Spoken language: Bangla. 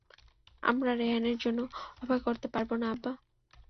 আমরা রেহানের জন্য অপেক্ষা করতে পারবো না আব্বা?